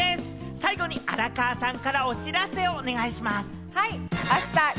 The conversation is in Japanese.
最後に荒川さんからお知らせをお願いします。